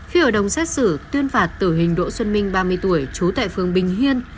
khi hội đồng xét xử tuyên phạt tử hình đỗ xuân minh ba mươi tuổi trú tại phường bình hiên